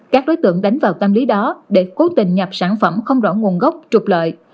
các đối tượng đánh vào tâm lý đó để cố tình nhập sản phẩm không rõ nguồn gốc trục lợi